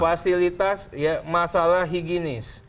fasilitas ya masalah higienis